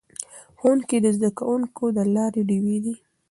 ښوونکي د زده کوونکو د لارې ډیوې دي.